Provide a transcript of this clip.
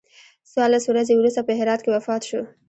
څوارلس ورځې وروسته په هرات کې وفات شو.